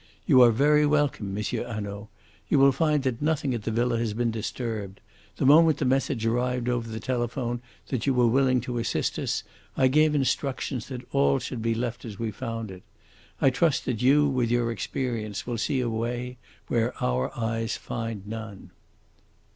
"You are very welcome, M. Hanaud. You will find that nothing at the villa has been disturbed. The moment the message arrived over the telephone that you were willing to assist us I gave instructions that all should be left as we found it. I trust that you, with your experience, will see a way where our eyes find none."